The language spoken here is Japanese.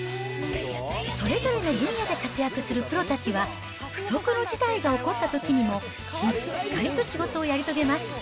それぞれの分野で活躍するプロたちは、不測の事態が起こったときにも、しっかりと仕事をやり遂げます。